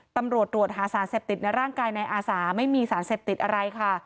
ตำรวจตรวจหาสารเสพติดในร่างกายในอาสาไม่มีสารเสพติดอะไรค่ะ